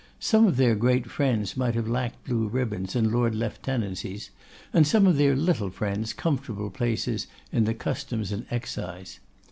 Some of their great friends might have lacked blue ribbons and lord lieutenancies, and some of their little friends comfortable places in the Customs and Excise.